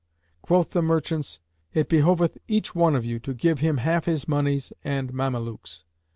Quoth the merchants, "It behoveth each one of you to give him half his monies and Mamelukes."